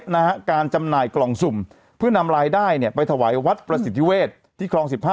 นายกล่องสุ่มเพื่อนำรายได้เนี่ยไปถวายวัดประสิทธิเวศที่คลองสิบห้า